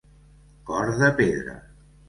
Cor de pedra.